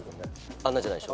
あんなじゃないでしょ？